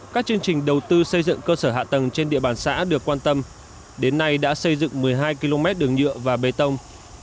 các chương trình đầu tư xây dựng cơ sở hạ tầng trên địa bàn xã được quan tâm đến nay đã xây dựng một mươi hai km đường nhựa và bê tông